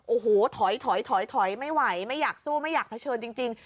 โอ้โหถอยถอยไม่ไหวไม่อยากสู้ไม่อยากเผชิญจริง